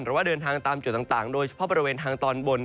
หรือว่าเดินทางตามจุดต่างโดยเฉพาะบริเวณทางตอนบน